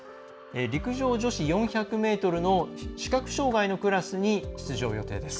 陸上女子４００ｍの視覚障害のクラスに出場予定です。